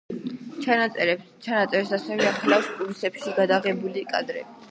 ჩანაწერს ასევე ახლავს კულისებში გადაღებული კადრები.